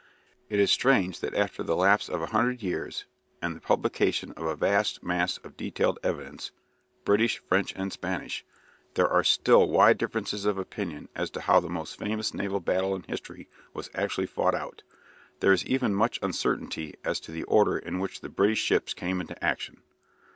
It is strange that after the lapse of a hundred years and the publication of a vast mass of detailed evidence British, French, and Spanish there are still wide differences of opinion as to how the most famous naval battle in history was actually fought out. There is even much uncertainty as to the order in which the British ships came into action.